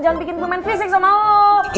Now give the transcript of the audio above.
jangan bikin gue main fisik sama lu